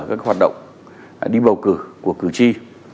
các hoạt động đi bầu cử của cử tri